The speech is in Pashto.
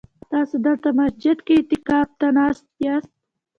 تاسي دلته مسجد کي اعتکاف ته ناست ياست؟